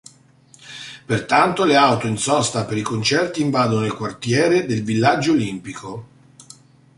Pertanto le auto in sosta per i concerti invadono il quartiere del Villaggio Olimpico.